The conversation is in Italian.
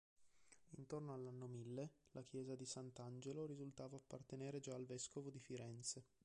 Intorno all'anno mille la chiesa di Sant'Angelo risultava appartenere già al vescovo di Firenze.